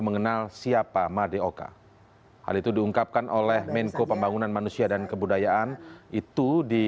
untuk puan maharani pak pemirsa sebagai ketua partai pdi